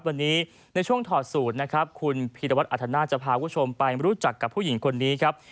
วันนี้ในช่วงถอดสูตรนะครับคุณพีรวัตรอัธนาจะพาคุณผู้ชมไปรู้จักกับผู้หญิงคนนี้ครับ